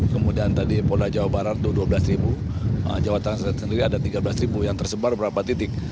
kemudian tadi polda jawa barat itu dua belas jawa tengah sendiri ada tiga belas ribu yang tersebar berapa titik